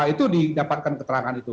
itu didapatkan keterangan itu